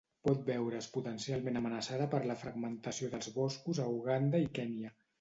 Pot veure's potencialment amenaçada per la fragmentació dels boscos a Uganda i Kenya.